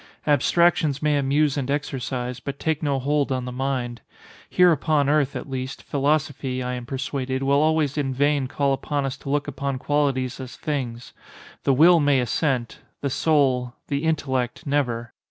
Abstractions may amuse and exercise, but take no hold on the mind. Here upon earth, at least, philosophy, I am persuaded, will always in vain call upon us to look upon qualities as things. The will may assent—the soul—the intellect, never.